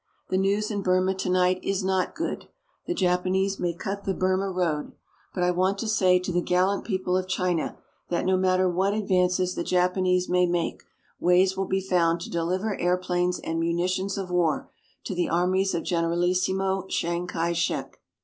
The news in Burma tonight is not good. The Japanese may cut the Burma Road; but I want to say to the gallant people of China that no matter what advances the Japanese may make, ways will be found to deliver airplanes and munitions of war to the armies of Generalissimo Chiang Kai shek.